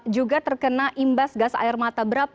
juga terkena imbas gas air mata